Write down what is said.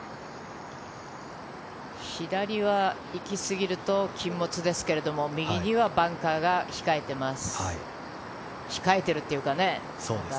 左は行きすぎると禁物ですけれど、右にはバンカーが控えています。